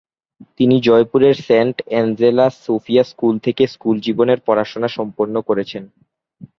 তিনি জয়পুরের Saint Angela Sophia school থেকে স্কুল জীবনের পড়াশোনা সম্পন্ন করেছেন।